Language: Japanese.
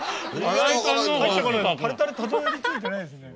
タルタルたどり着いてないですね。